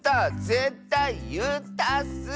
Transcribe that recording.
ぜったいいったッス！